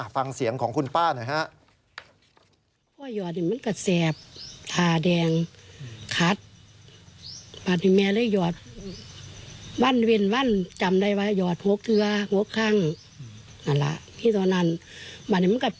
ฟังเสียงของคุณป้าหน่อยฮะ